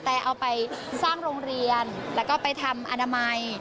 แต่เอาไปสร้างโรงเรียนแล้วก็ไปทำอนามัย